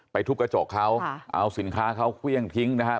ทุบกระจกเขาเอาสินค้าเขาเครื่องทิ้งนะครับ